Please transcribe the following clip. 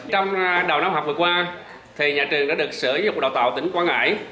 trong đầu năm học vừa qua nhà trường đã được sử dụng đào tạo tỉnh quảng ngãi